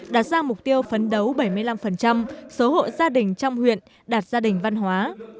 đạt ra mục tiêu phấn đấu bảy mươi năm số hộ gia đình trong huyện đạt gia đình văn hóa